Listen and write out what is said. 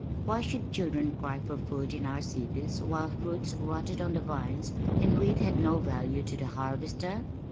Why should children cry for food in our cities whilst fruits rotted on the vines and wheat had no value to the harvester?